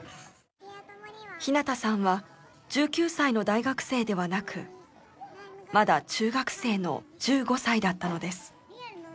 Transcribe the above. ひなたさんは１９歳の大学生ではなくまだ中学生の１５歳だったのです。